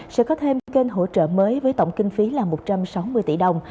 sẽ có thêm kênh hỗ trợ mới với tổng kinh phí là một trăm sáu mươi tỷ đồng